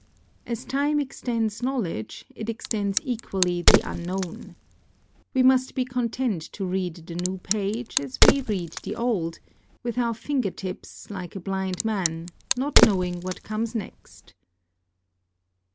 As time extends knowledge, it extends equally the unknown. We must be content to read the new page, as we read the old, with our finger tips, like a blind man, not knowing what comes next.